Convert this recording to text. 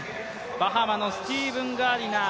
バハマのスティーブン・ガーディナー